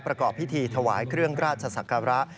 ประกอบพิธีถวายเครื่องราชศักระ